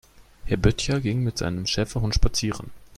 Herr Böttcher ging mit seinem Schäferhund spazieren.